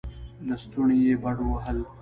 لستوڼې يې بډ ووهل.